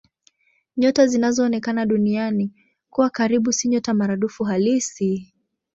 Nyota zinazoonekana Duniani kuwa karibu si nyota maradufu halisi.